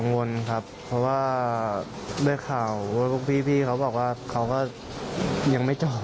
วนครับเพราะว่าด้วยข่าวพวกพี่เขาบอกว่าเขาก็ยังไม่จบ